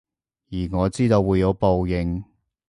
而我知道會有報應